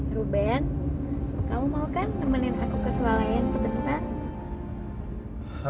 ruben kamu mau kan nemenin aku ke selalayan sebentar